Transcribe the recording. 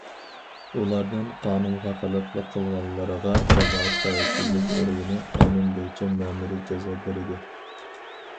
ئۇلاردىن قانۇنغا خىلاپلىق قىلغانلىرىغا جامائەت خەۋپسىزلىك ئورگىنى قانۇن بويىچە مەمۇرىي جازا بېرىدۇ.